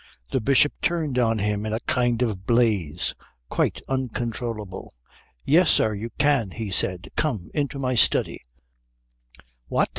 The Bishop turned on him in a kind of blaze, quite uncontrollable. "Yes, sir, you can," he said. "Come into my study " "What?